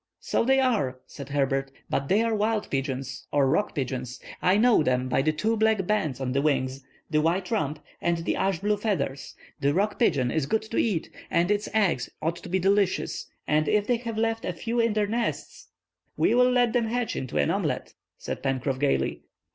"So they are," said Herbert, "but they are wild pigeons, or rock pigeons." I know them by the two black bands on the wing, the white rump, and the ash blue feathers. The rock pigeon is good to eat, and its eggs ought to be delicious; and if they have left a few in their nests—" "We will let them hatch in an omelet," said Pencroff, gaily.